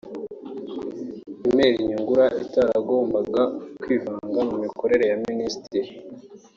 Émile Nyungura utaragombaga kwivanga mu mikorere ya Ministère